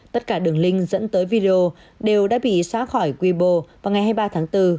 tất cả đường link dẫn tới video đều đã bị xóa khỏi quy bồ vào ngày hai mươi ba tháng bốn